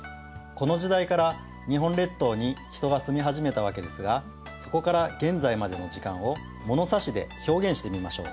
この時代から日本列島に人が住み始めたわけですがそこから現在までの時間をものさしで表現してみましょう。